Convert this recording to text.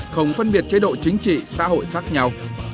không phân biệt chế độ chính trị xã hội khác nhau